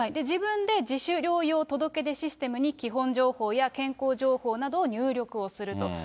自分で自主療養届出システムに基本情報や健康情報などを入力をすると。